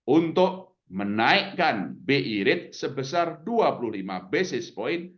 untuk menaikkan bi rate sebesar dua puluh lima basis point